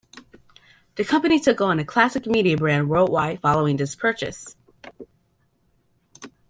The company took on the Classic Media brand worldwide following this purchase.